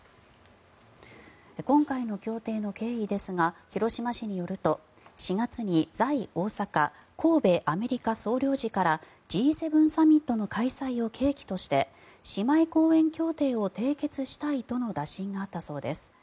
今回の協定の経緯ですが広島市によると４月に在大阪・神戸アメリカ総領事からＧ７サミットの開催を契機として姉妹公園協定を締結したいとの打診があったそうです。